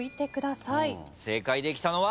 正解できたのは？